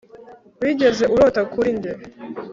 Wigeze urota kuri njye